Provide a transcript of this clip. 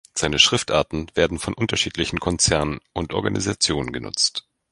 Seine Schriftarten werden von unterschiedlichen Konzernen und Organisationen genutzt.